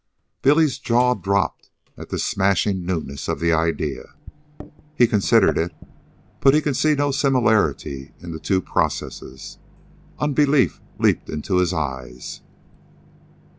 Billy's jaw dropped at the smashing newness of the idea. He considered it, but could see no similarity in the two processes. Unbelief leaped into his eyes.